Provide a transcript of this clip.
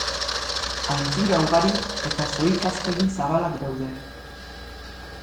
Aintzira ugari eta zohikaztegi zabalak daude.